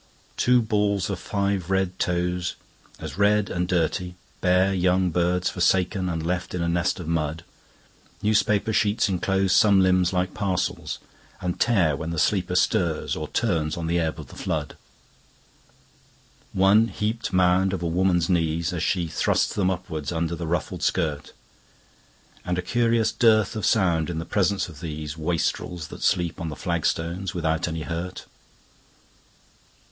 The balls of five red toesAs red and dirty, bareYoung birds forsaken and left in a nest of mud—Newspaper sheets encloseSome limbs like parcels, and tearWhen the sleeper stirs or turns on the ebb of the flood—One heaped moundOf a woman's kneesAs she thrusts them upward under the ruffled skirt—And a curious dearth of soundIn the presence of theseWastrels that sleep on the flagstones without any hurt.